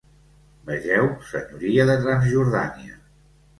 Vegeu Senyoria de Transjordània.